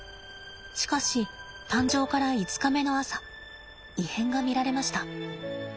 しかし誕生から５日目の朝異変が見られました。